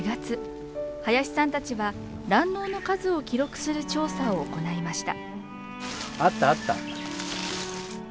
林さんたちは卵のうの数を記録する調査を行いました。